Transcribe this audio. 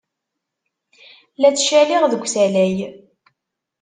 La ttcaliɣ deg usalay.